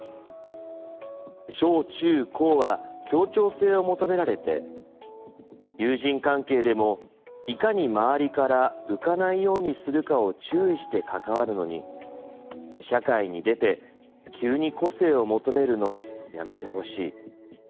小中高は協調性を求められて友人関係でもいかに周りから浮かないようにするかを注意して関わるのに社会に出て急に個性を求めるのやめてほしい。